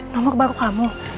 nomor baru kamu